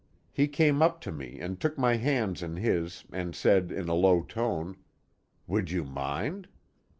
He came up to me and took my hands in his, and said in a low tone: "Would you mind?"